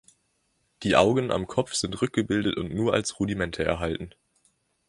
Die Augen am Kopf sind rückgebildet und nur als Rudimente erhalten.